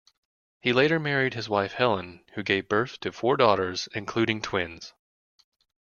He later married his wife Helen, who gave birth to four daughters including twins.